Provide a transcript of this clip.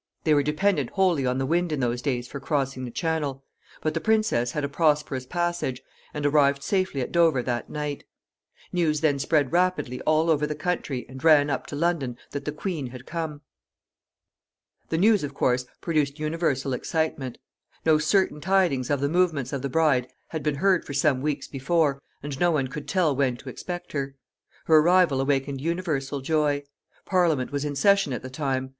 They were dependent wholly on the wind in those days for crossing the Channel; but the princess had a prosperous passage, and arrived safely at Dover that night. News then spread rapidly all over the country, and ran up to London, that the queen had come. The news, of course, produced universal excitement. No certain tidings of the movements of the bride had been heard for some weeks before, and no one could tell when to expect her. Her arrival awakened universal joy. Parliament was in session at the time.